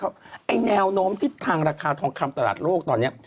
ไอ้แนวโน้มทิศทางราคาทองคำตลาดโลกตอนนี้